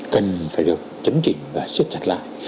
cần phải được chấn chỉnh và siết chặt lại